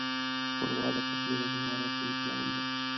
ښوروا د پخلي د مهارت امتحان ده.